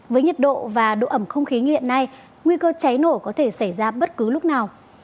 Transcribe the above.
với nhiệt độ và độ ẩm không khí như hiện nay nguy cơ cháy nổ có thể xảy ra bất cứ lúc nào